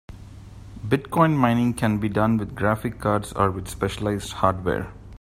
Bitcoin mining can be done with graphic cards or with specialized hardware.